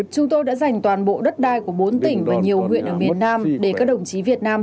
chúng tôi đã dành toàn bộ đất đai của bốn tỉnh và nhiều huyện ở miền nam để các đồng chí việt nam